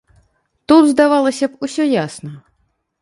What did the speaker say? Тут, здавалася б, усё ясна.